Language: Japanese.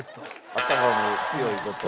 頭も強いぞと。